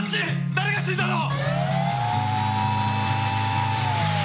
誰が死んだの？